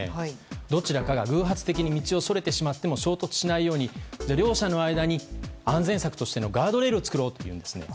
どちらかが偶発的に道をそれてしまっても衝突しないように両者の間に安全策としてのガードレールを作ろうというんです。